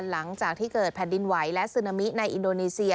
หลังจากที่เกิดแผ่นดินไหวและซึนามิในอินโดนีเซีย